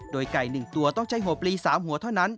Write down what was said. โดยไก่๑ตัวต้องใช้หัวปลี๓หัวเท่านั้น